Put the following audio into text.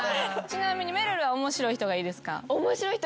ちなみにめるるは面白い人がいいですか？